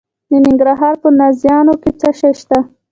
د ننګرهار په نازیانو کې څه شی شته؟